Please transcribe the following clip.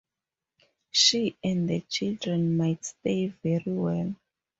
She and the children might stay very well.